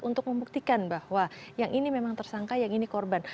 untuk membuktikan bahwa yang ini memang tersangka yang ini korban